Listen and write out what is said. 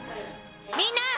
みんな！